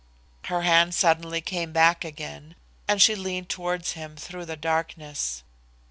Her hand suddenly came back again and she leaned towards him through the darkness.